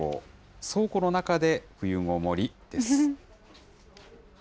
倉庫の中で冬ごもりです。